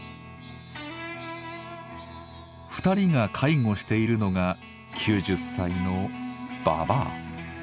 ２人が介護しているのが９０歳の「ばばあ」。